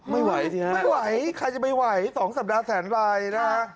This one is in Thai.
ไม่ไหวใครจะไม่ไหว๒สัปดาห์แสนรายนะ